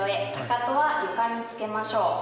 かかとは床につけましょう。